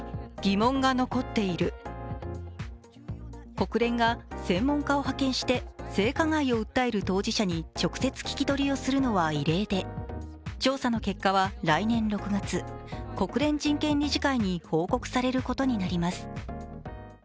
国連が専門家を派遣して性加害を訴える当事者に直接聞き取りをするのは異例で調査の結果は来年６月国連人権理事会に報告されることになります。